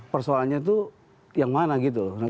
persoalannya itu yang mana gitu